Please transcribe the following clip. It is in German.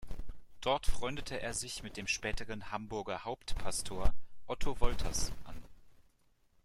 Dort freundete er sich mit dem späteren Hamburger Hauptpastor Otto Wolters an.